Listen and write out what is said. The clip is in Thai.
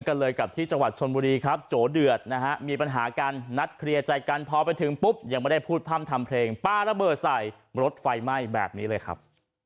กันเลยกับที่จังหวัดชนบุรีครับโจเดือดนะฮะมีปัญหากันนัดเคลียร์ใจกันพอไปถึงปุ๊บยังไม่ได้พูดพร่ำทำเพลงปลาระเบิดใส่รถไฟไหม้แบบนี้เลยครับ